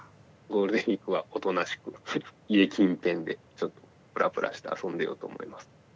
ゴールデンウイークはおとなしく家近辺でちょっとプラプラして遊んでようと思います。